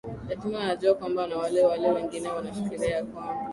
lakini anajua kwamba na wale wale wengine wanafikiria ya kwamba